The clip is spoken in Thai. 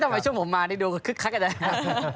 ทำไมช่วงผมมาดูคึกคักอย่างนั้น